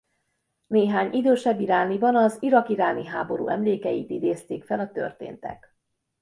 Néhány idősebb irániban az Irak–iráni háború emlékeit idézték fel a történtek.